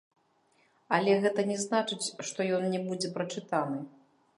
Але гэта не значыць, што ён не будзе прачытаны.